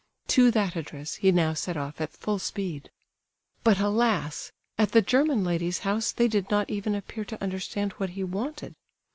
To that address he now set off at full speed. But alas! at the German lady's house they did not even appear to understand what he wanted.